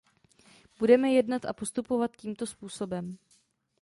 Budeme jednat a postupovat tímto způsobem.